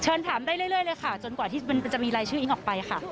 เชิญถามได้เรื่อยเลยค่ะจนกว่ามีรายชื่ออิ้งออกไปค่ะ